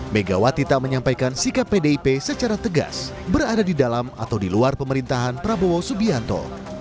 megawati tak menyampaikan sikap pdip secara tegas berada di dalam atau di luar pemerintahan prabowo subianto